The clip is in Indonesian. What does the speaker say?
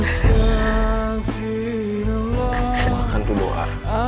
silahkan tu doa